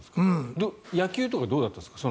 野球とかどうだったんですか？